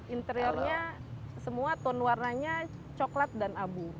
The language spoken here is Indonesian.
interiornya semua tone warnanya coklat dan abu